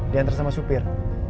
diantar sama supir